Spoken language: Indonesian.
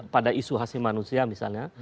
pada isu hasil manusia misalnya